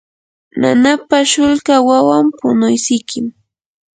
nanapa shulka wawan punuysikim.